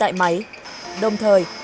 các chuyên gia cho biết